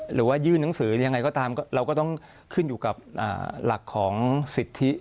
หรือว่ายื่นหนังสือยังไงก็ตามเราก็ต้องขึ้นอยู่กับหลักของสิทธิ